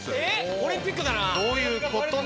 オリンピックだな。